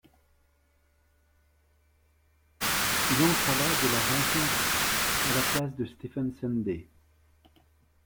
Il entre à la de la rencontre, à la place de Stephen Sunday.